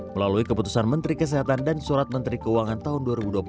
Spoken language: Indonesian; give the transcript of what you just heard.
melalui keputusan menteri kesehatan dan surat menteri keuangan tahun dua ribu dua puluh satu